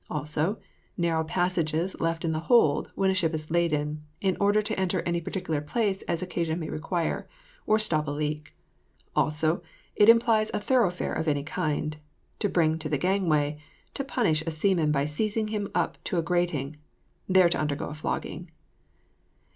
Also, narrow passages left in the hold, when a ship is laden, in order to enter any particular place as occasion may require, or stop a leak. Also, it implies a thoroughfare of any kind. To bring to the gangway, to punish a seaman by seizing him up to a grating, there to undergo flogging.